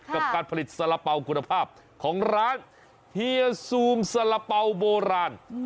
กับการผลิตสาระเป๋าคุณภาพของร้านเฮียซูมสาระเป๋าโบราณ